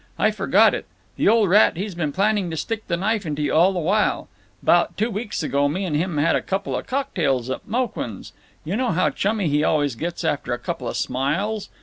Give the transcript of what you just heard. I forgot it. The old rat, he's been planning to stick the knife into you all the while. 'Bout two weeks ago me and him had a couple of cocktails at Mouquin's. You know how chummy he always gets after a couple of smiles.